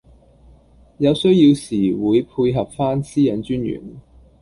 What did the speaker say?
有需要時會配合番私隱專員